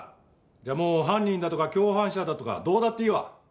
じゃあもう犯人だとか共犯者だとかどうだっていいわ。